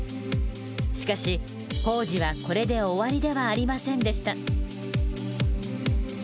しかし工事はこれで終わりではありませんでした。